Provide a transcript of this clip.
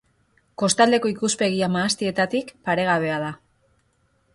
Kostaldeko ikuspegia, mahastietatik, paregabea da.